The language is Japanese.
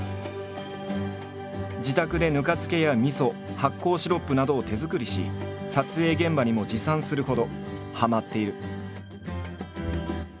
自宅でぬか漬けやみそ発酵シロップなどを手作りし撮影現場にも持参するほどはまっている。